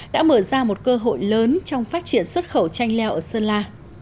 đã mở ra một cơ hội lớn trong phát triển xuất khẩu chanh leo ở sơn la